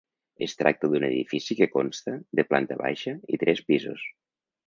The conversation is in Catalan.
Es tracta d'un edifici que consta de planta baixa i tres pisos.